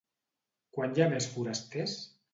Quan hi ha més forasters?